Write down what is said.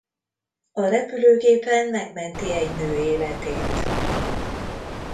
A repülőgépen megmenti egy nő életét.